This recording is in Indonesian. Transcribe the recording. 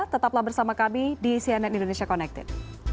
tetaplah bersama kami di cnn indonesia connected